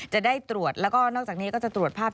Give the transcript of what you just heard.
จะได้ตรวจแล้วก็นอกจากนี้ก็จะตรวจภาพ